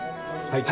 はい。